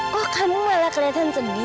kok kamu malah kelihatan sedih